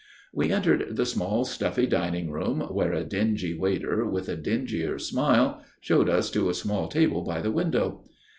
We entered the small, stuffy dining room, where a dingy waiter, with a dingier smile, showed us to a small table by the window.